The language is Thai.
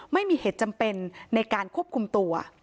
ไม่มีเหตุจำเป็นในการควบคุมตัว